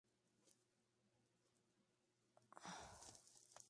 Es una planta comestible o con usos alimenticios.